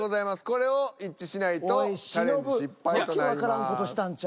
これを一致しないとチャレンジ失敗となります。